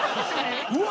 「うわ！」